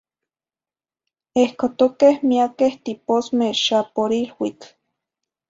Ehcotoqueh miaqueh tiposme, xa por iluitl.